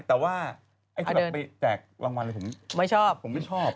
แต่ว่าไอ้สุดับไปแจกรางวัลเลยผมไม่ชอบ